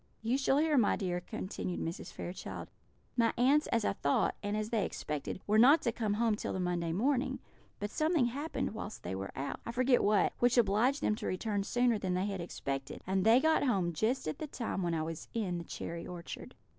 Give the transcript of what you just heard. "You shall hear, my dear," continued Mrs. Fairchild. "My aunts, as I thought, and as they expected, were not to come home till the Monday morning; but something happened whilst they were out I forget what which obliged them to return sooner than they had expected, and they got home just at the time when I was in the cherry orchard.